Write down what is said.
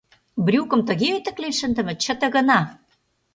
Брюкым тыге ӧтыклен шындыме, чыте гына.